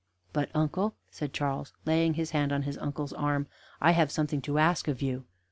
"But uncle," said Charles, laying his hand on his uncle's arm, "I have something to ask of you."